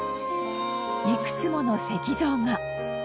いくつもの石像が。